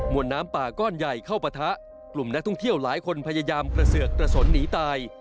วนน้ำป่าก้อนใหญ่เข้าปะทะกลุ่มนักท่องเที่ยวหลายคนพยายามกระเสือกกระสนหนีตาย